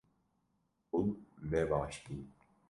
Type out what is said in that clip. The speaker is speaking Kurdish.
Hûn ne baş bûn